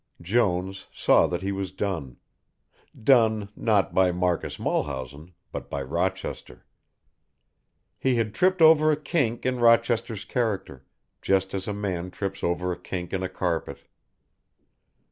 Jones saw that he was done; done not by Marcus Mulhausen, but by Rochester. He had tripped over a kink in Rochester's character, just as a man trips over a kink in a carpet.